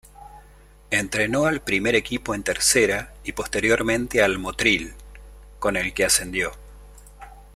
Entrenó al primer equipo en Tercera y posteriormente al Motril, con el que ascendió.